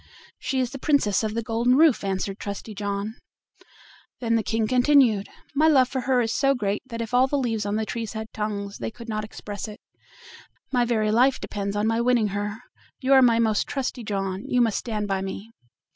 "She is the Princess of the Golden Roof," answered Trusty John. Then the King continued: "My love for her is so great that if all the leaves on the trees had tongues they could not express it; my very life depends on my winning her. You are my most trusty John: you must stand by me."